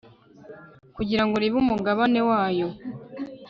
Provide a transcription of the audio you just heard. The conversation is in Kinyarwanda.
kugirango ribe umugabane wayo